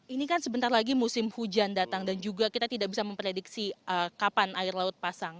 ini kan sebentar lagi musim hujan datang dan juga kita tidak bisa memprediksi kapan air laut pasang